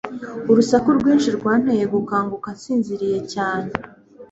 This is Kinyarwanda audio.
Urusaku rwinshi rwanteye gukanguka nsinziriye cyane